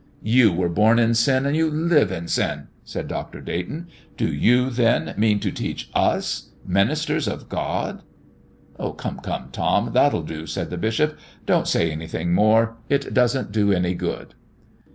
"You were born in sin and you live in sin," said Dr. Dayton; "do you, then, mean to teach us ministers of God?" "Come, come, Tom, that'll do," said the bishop; "don't say anything more. It doesn't do any good."